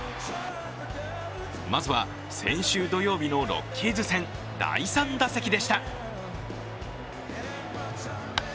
まずは先週土曜日のロッキーズ戦、第３打席でした。